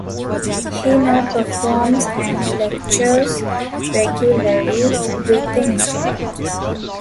He now performs and lectures regularly with the instrument.